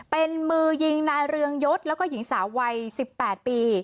เป็นมือยิงนายเรืองยศแล้วก็หญิงสาววัย๑๘ปี